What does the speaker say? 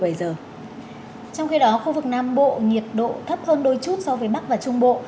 trong khi đó khu vực nam bộ nhiệt độ thấp hơn đôi chút so với bắc và trung bộ